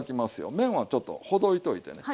麺はちょっとほどいといてね。